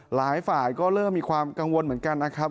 หลายฝ่ายก็เริ่มมีความกังวลเหมือนกันนะครับ